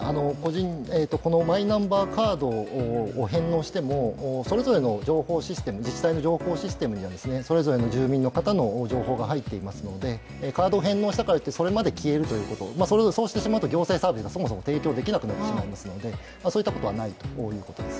このマイナンバーカードを返納してもそれぞれの自治体の情報システムにはそれぞれの住民の方の情報が入っていますので、カードを返納したからといって、それまで消えるということ、そうしてしまうと行政サービスがそもそも提供できなくなってしまうのでそういったことはないということです。